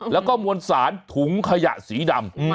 แล้วก็มวลสารถุงขยะสีดำ